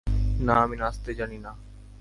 না, আমি নাচতে জানি না।